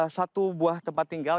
di sini ada satu buah tempat tinggal